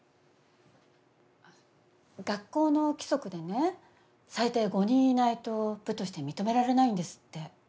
学校の規則でね最低５人いないと部として認められないんですって。